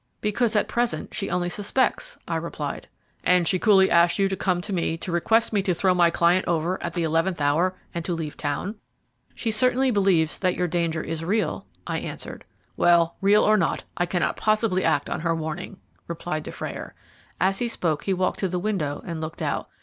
"Because at present she only suspects," I replied. "And she coolly asks you to come to me to request me to throw my client over at the eleventh hour and to leave town?" "She certainly believes that your danger is real," I answered. "Well, real or not, I cannot possibly act on her warning," replied Dufrayer. As he spoke he walked to the window and looked out.